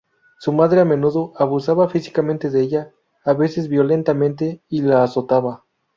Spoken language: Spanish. Su madre a menudo abusaba físicamente de ella, a veces violentamente, y la azotaba.